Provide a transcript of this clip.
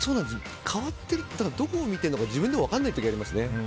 変わってるってどこを見ていいのか自分でも分からない時ありますね。